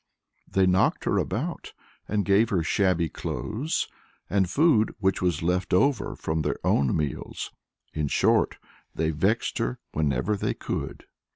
They knocked her about, and gave her shabby clothes, and food which was left over from their own meals; in short, they vexed her whenever they could.